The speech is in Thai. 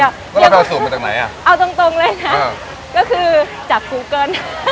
ก็เราไปเอาสูตรมาจากไหนอ่ะเอาตรงตรงเลยนะเออก็คือจากกูเกิล